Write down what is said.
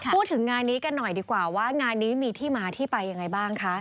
พูดถึงงานนี้กันหน่อยดีกว่าว่างานนี้มีที่มาที่ไปยังไงบ้างคะ